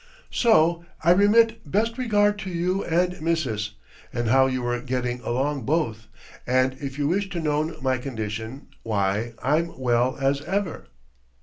So I remit best regard to you and Mrs. and how you were getting along both, and if you wish to known my condition, why, I'm well as ever.